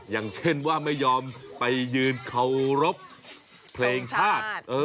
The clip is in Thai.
อย่างเช่นว่าไม่ยอมไปยืนเคารพเพลงชาติ